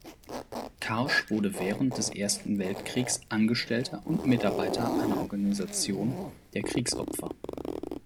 Karsch wurde während des Ersten Weltkriegs Angestellter und Mitarbeiter einer Organisation der Kriegsopfer.